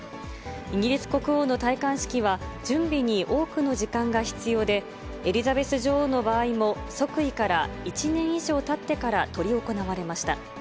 イギリス国王の戴冠式は、準備に多くの時間が必要で、エリザベス女王の場合も、即位から１年以上たってから執り行われました。